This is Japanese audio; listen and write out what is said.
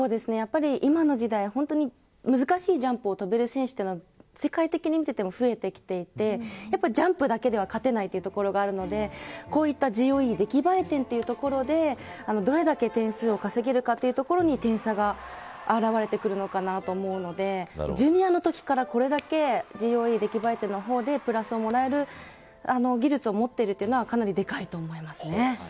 今の時代は難しいジャンプを跳べる選手が世界的に見ても増えてきていてジャンプだけでは勝てないところがあるのでこういったＧＯＥ、出来栄え点というところでどれだけ点数を稼げるかというところに点差が現れてくるのかなと思うのでジュニアのときからこれだけＧＯＥ、出来栄え点でプラスをもらえる技術を持っているのはかなり大きいと思います。